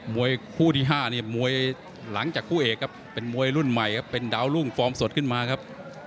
มวยคู่ที่๕เนี่ยมวยหลังจากคู่เอกครับเป็นมวยรุ่นใหม่ครับเป็นดาวรุ่งฟอร์มสดขึ้นมาครับ